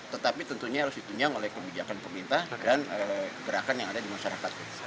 tetapi tentunya harus ditunjang oleh kebijakan pemerintah dan gerakan yang ada di masyarakat